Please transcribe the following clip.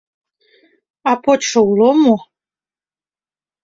— А почшо уло мо?